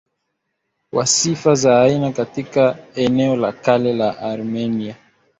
wa sifa za aina katika eneo la Kale la Armenia